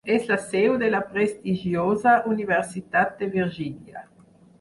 És la seu de la prestigiosa Universitat de Virgínia.